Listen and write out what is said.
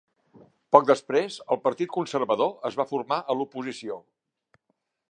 Poc després, el Partit Conservador es va formar a l'oposició.